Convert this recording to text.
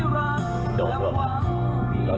โปรเบรกให้แล้วหรือเปล่า